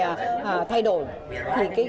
thì cái chắc phá của cái vỏ ngoài không ổn